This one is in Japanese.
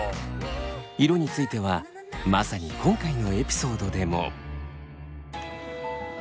色についてはまさに今回のエピソードでも。